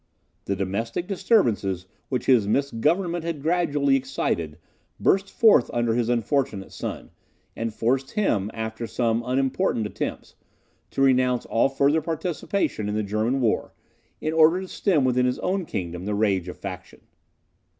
The domestic disturbances which his misgovernment had gradually excited burst forth under his unfortunate son, and forced him, after some unimportant attempts, to renounce all further participation in the German war, in order to stem within his own kingdom the rage of faction.